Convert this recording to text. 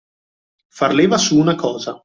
Far leva su una cosa.